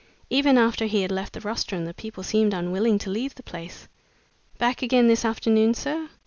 Even after he had left the rostrum, the people seemed unwilling to leave the place. "Back again this afternoon, sir?"